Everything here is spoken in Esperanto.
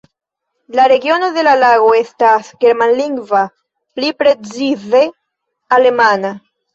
La regiono de la lago estas germanlingva, pli precize alemana.